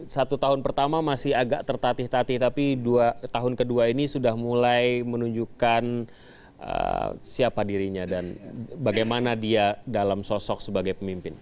satu tahun pertama masih agak tertatih tatih tapi dua tahun kedua ini sudah mulai menunjukkan siapa dirinya dan bagaimana dia dalam sosok sebagai pemimpin